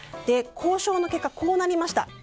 交渉の結果、こうなりました。